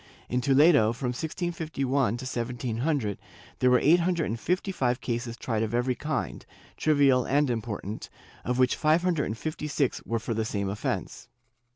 In Toledo, from 1651 to 1700, there were eight hundred and fifty five cases tried of every kind, trivial and important, of which five hundred and fifty six were for the same offence.